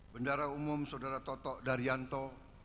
bendara umum saudara toto daryanto